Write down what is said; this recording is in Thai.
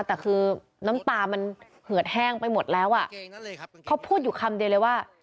แต่คือน้ำตามันเหือดแห้งไปหมดแล้วอ่ะเขาพูดอยู่คำเดียวเลยว่า